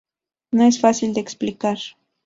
No es fácil de explicar.